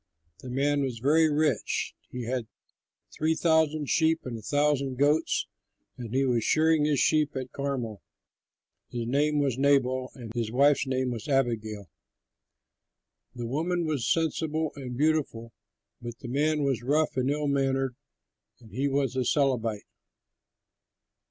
The man was very rich; he had three thousand sheep and a thousand goats, and he was shearing his sheep at Carmel. His name was Nabal, and his wife's name was Abigail. The woman was sensible and beautiful, but the man was rough and ill mannered; and he was a Calebite.